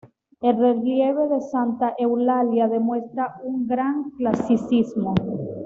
El relieve de santa Eulalia, demuestra un gran clasicismo.